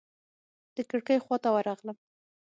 د کړکۍ خواته ورغلم.